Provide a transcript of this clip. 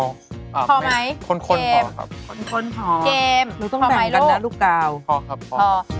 พอไหมเกมพอนะครับพอไหมลูกกาวพอครับพอ